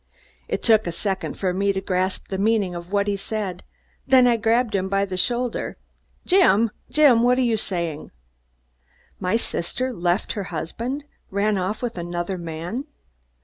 It took a second for me to grasp the meaning of what he said, then I grabbed him by the shoulder. "Jim, Jim, what are you saying?" My sister left her husband run off with another man!